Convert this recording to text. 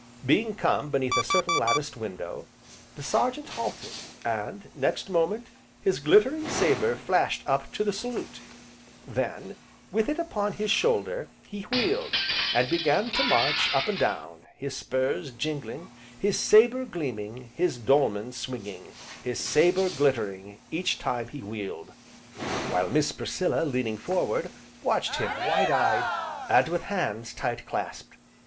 Being come beneath a certain latticed window, the Sergeant halted, and, next moment, his glittering sabre flashed up to the salute; then, with it upon his shoulder, he wheeled, and began to march up and down, his spurs jingling, his sabre gleaming, his dolman swinging, his sabre glittering, each time he wheeled; while Miss Priscilla leaning forward, watched him wide eyed, and with hands tight clasped.